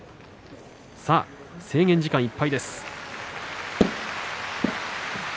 制限時間いっぱいです。